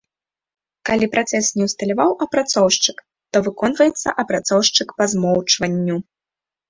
Калі працэс не ўсталяваў апрацоўшчык, то выконваецца апрацоўшчык па змоўчванню.